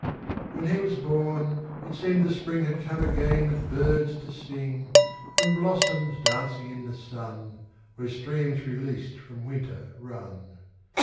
When he was born, it seemed the spring Had come again with birds to sing And blossoms dancing in the sun Where streams released from winter run.